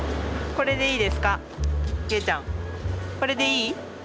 これでいい？